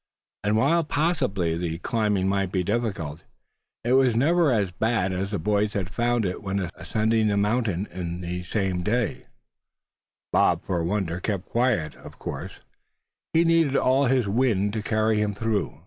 And while possibly the climbing might be difficult, it was never as bad as the boys had found it when ascending the mountain in the day time. Bob for a wonder kept quiet. Of course he needed all his wind to carry him through.